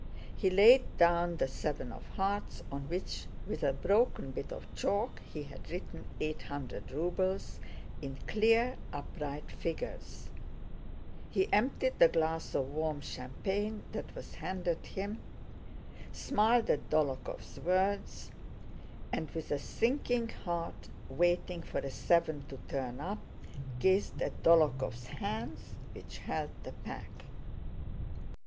He laid down the seven of hearts, on which with a broken bit of chalk he had written "800 rubles" in clear upright figures; he emptied the glass of warm champagne that was handed him, smiled at Dólokhov's words, and with a sinking heart, waiting for a seven to turn up, gazed at Dólokhov's hands which held the pack.